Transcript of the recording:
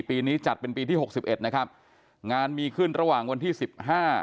ปีนี้จัดเป็นปีที่หกสิบเอ็ดนะครับงานมีขึ้นระหว่างวันที่สิบห้า